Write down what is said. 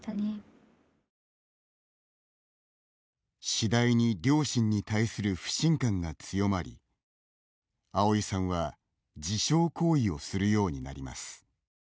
次第に、両親に対する不信感が強まりアオイさんは、自傷行為をするようになります。